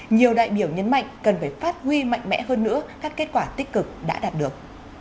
nhiều đại biểu nhấn mạnh cần phải phát huy mạnh mẽ hơn nữa các kết quả tích cực đã đạt được